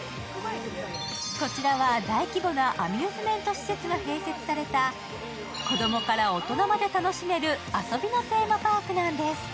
こちらは、大規模なアミューズメント施設が併設された子供から大人まで楽しめる遊びのテーマパークなんです。